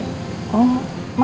nanti aku mau ke kondisi dia